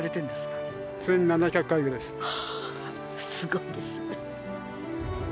すごいですね。